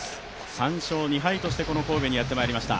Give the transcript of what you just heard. ３勝２敗としてこの神戸にやってまいりました。